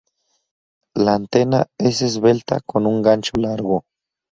La antena es esbelta con un gancho largo.